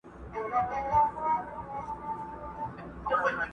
د مرغکیو د عمرونو کورګی،